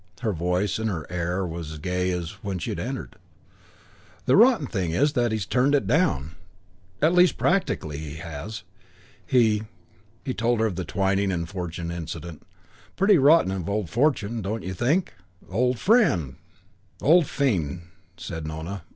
Her voice and her air were as gay as when she had entered. "The rotten thing is that he's turned it down. At least practically has. He " He told her of the Twyning and Fortune incident. "Pretty rotten of old Fortune, don't you think?" "Old fiend!" said Nona.